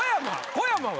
小山は？